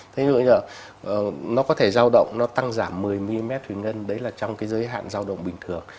thí dụ như là nó có thể giao động nó tăng giảm một mươi mm thủy ngân đấy là trong cái giới hạn giao động bình thường